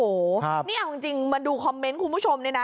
โอ้โหนี่เอาจริงมาดูคอมเมนต์คุณผู้ชมเนี่ยนะ